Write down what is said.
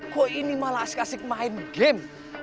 kok ini malah asik asik main game